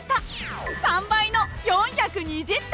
３倍の４２０点。